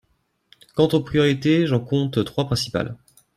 Quant aux priorités, j’en compte trois principales.